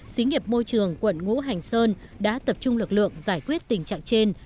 xí nghiệp môi trường quận ngũ hành sơn đã tập trung lực lượng giải quyết tình trạng trên